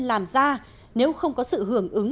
làm ra nếu không có sự hưởng ứng